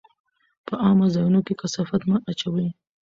په عامه ځایونو کې کثافات مه اچوئ.